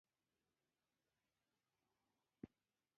هر د زخمتونو پیل، زرین پای لري.